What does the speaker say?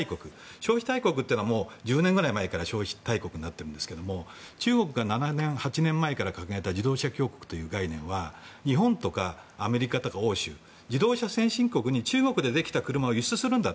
消費大国というのは１０年くらい前から消費大国になっているんですが中国が７年、８年前から掲げた自動車強国という概念は日本とかアメリカや欧州自動車先進国に中国でできた車を輸出するんだ。